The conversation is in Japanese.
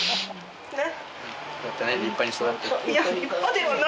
ねっ。